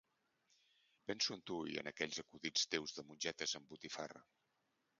Penso en tu i en aquells acudits teus de mongetes amb botifarra.